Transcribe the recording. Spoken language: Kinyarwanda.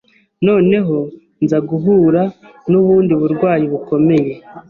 noneho nza guhura n’ubundi burwayi bukomeye